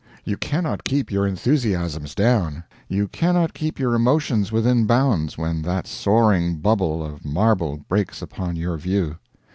You cannot keep your enthusiasms down, you cannot keep your emotions within bounds when that soaring bubble of marble breaks upon your view.